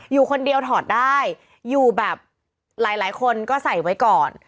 อยู่คนเดียวถอดได้อยู่แบบหลายหลายคนก็ใส่ไว้ก่อน